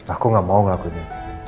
aku nggak mau ngelakuin ini